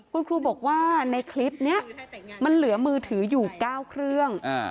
คุณครูบอกว่าในคลิปนี้มันเหลือมือถืออยู่๙เครื่อง